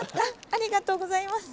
ありがとうございます。